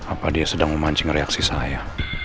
apa dia sedang memancing reaksi saya